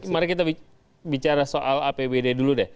mari kita bicara soal apbd dulu deh